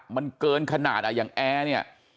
มันเกินขนาดอ่ะอย่างแอร์เนี่ย